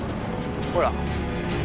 ほら。